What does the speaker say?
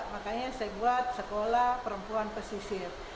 makanya saya buat sekolah perempuan pesisir